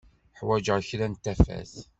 Ḥwaǧeɣ kra n tafat.